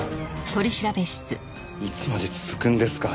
いつまで続くんですか？